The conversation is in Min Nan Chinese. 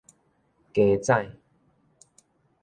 雞指